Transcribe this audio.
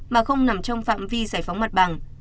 mà không nằm trong phạm vi giải phóng mặt bằng